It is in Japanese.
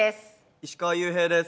石川裕平です。